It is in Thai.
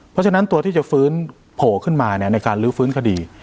เพราะฉะนั้นตัวที่จะฟื้นโผล่ขึ้นมาในการลื้อฟื้นคดี